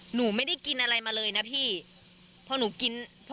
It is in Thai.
หนูไม่ได้กินอะไรมาเลยนะพี่